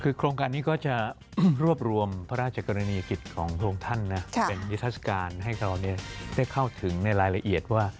คือโครงการนี้ก็จะรวบรวมพระราชกรณีกิจของพระองค์ท่านนะเป็นนิทัศกาลให้เราได้เข้าถึงในรายละเอียดว่า